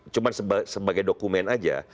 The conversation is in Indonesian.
cuma sebagai dokumen aja